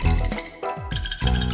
terima kasih bang